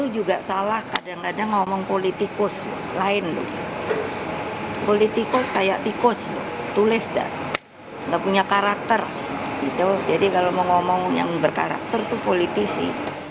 jadi kalau mau ngomong yang berkarakter itu politisi